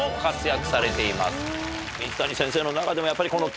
水谷先生の中でもやっぱり。